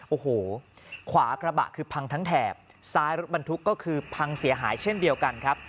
โอ้โหขวากระบะคือพังทั้งแถบซ้ายรถบรรทุกก็คือพังเสียหายเช่นเดียวกันครับ